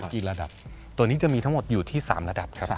กี่ระดับตัวนี้จะมีทั้งหมดอยู่ที่๓ระดับครับ